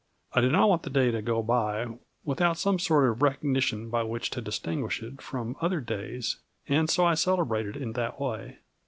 I do not want the day to go by without some sort of recognition by which to distinguish it from other days, and so I celebrate it in that way.